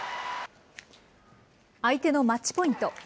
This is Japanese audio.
相手のマッチポイント。